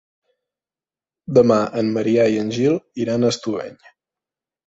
Demà en Maria i en Gil iran a Estubeny.